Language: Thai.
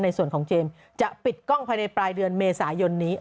ในส่วนของเจมส์จะปิดกล้องภายในปลายเดือนเมษายนนี้